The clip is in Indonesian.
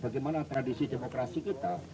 bagaimana tradisi demokrasi kita